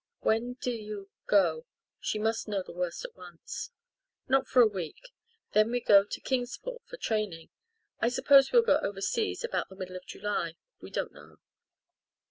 "When do you go?" She must know the worst at once. "Not for a week then we go to Kingsport for training. I suppose we'll go overseas about the middle of July we don't know."